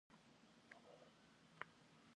Da'ueç'êym degu vuêş'ri, plheç'êym nef vuêş'.